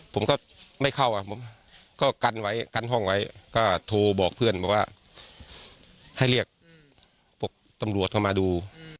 ผมก็ไม่เข้าอ่ะผมก็กันไว้กันห้องไว้ก็โทรบอกเพื่อนบอกว่าให้เรียกพวกตำรวจเข้ามาดู